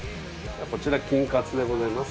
こちら金カツでございます。